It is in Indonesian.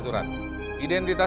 bapak bisa mencoba